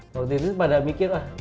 waktu itu itu pada mikir lah